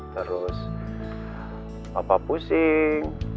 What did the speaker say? terus papa pusing